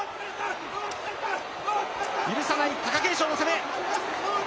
許さない、貴景勝の攻め。